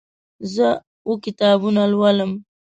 زه اوه کتابونه لولم.